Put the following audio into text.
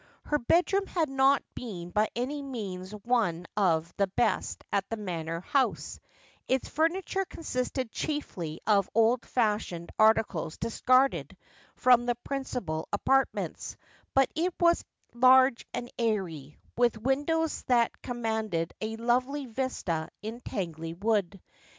Her bedroom had not been by any means one of the best at the Manor House ; its furniture consisted chiefly of old fashioned articles discarded from the principal apartments ; but it was large and airy, with windows that commanded a lovely vista in Tangley Wood.